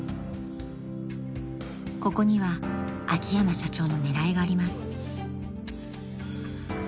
［ここには秋山社長の狙いがあります］